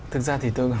thực ra thì tôi